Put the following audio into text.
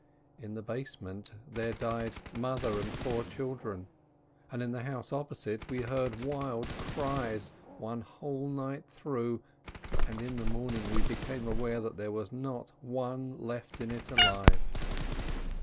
In the basement there died a mother and four children, and in the house oppo site we heard wild cries one whole night through, and in the morning we became aware that there was no one left in it alive.